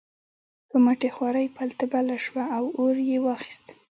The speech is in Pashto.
په مټې خوارۍ پلته بله شوه او اور یې واخیست.